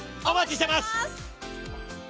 お待ちしてます！